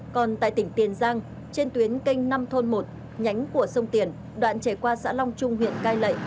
còn tại tỉnh tiền giang trên tuyến canh năm thôn một nhánh của sông tiền đoạn chảy qua xã long trung huyện cai lệ